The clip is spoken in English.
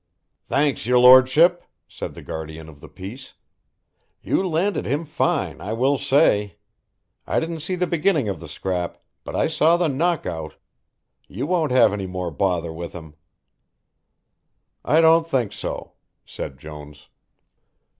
"Thanks, your Lordship," said the guardian of the Peace, "you landed him fine, I will say. I didn't see the beginning of the scrap, but I saw the knock out you won't have any more bother with him." "I don't think so," said Jones.